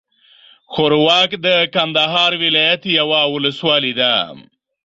ښوراوک د کندهار ولايت یوه اولسوالي ده.